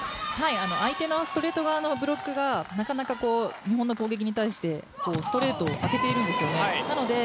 相手のストレート側のブロックが日本の攻撃に対してストレートを空けているんです。